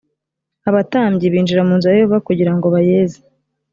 abatambyi binjira mu nzu ya yehova kugira ngo bayeze